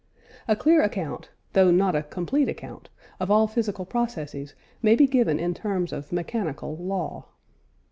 A clear account, though not a complete account, of all physical processes may be given in terms of mechanical "law."